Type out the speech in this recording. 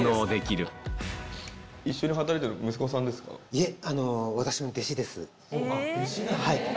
いえ。